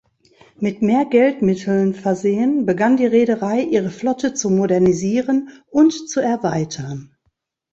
Mit mehr Geldmitteln versehen begann die Reederei, ihre Flotte zu modernisieren und zu erweitern.